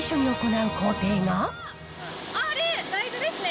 あれ、大豆ですね。